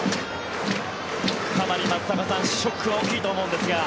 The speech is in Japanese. かなり松坂さん、ショックが大きいと思うんですが。